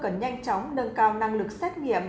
cần nhanh chóng nâng cao năng lực xét nghiệm